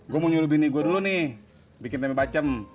gua mau nyuruh bini gua dulu nih bikin tempe pacem